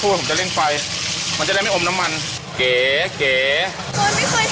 ว่าผมจะเล่นไฟมันจะได้ไม่อมน้ำมันเก๋เก๋มันไม่เคย